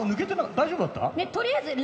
大丈夫だった？